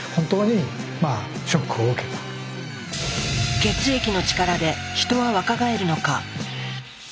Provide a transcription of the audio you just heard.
血液の力でヒトは若返るのか？